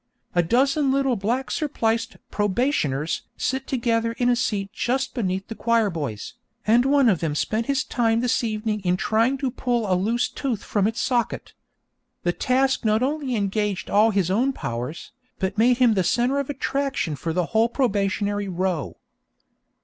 A dozen little black surpliced 'probationers' sit together in a seat just beneath the choir boys, and one of them spent his time this evening in trying to pull a loose tooth from its socket. The task not only engaged all his own powers, but made him the centre of attraction for the whole probationary row.